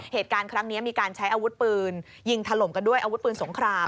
เหตุการณ์ครั้งนี้มีการใช้อาวุธปืนยิงถล่มกันด้วยอาวุธปืนสงคราม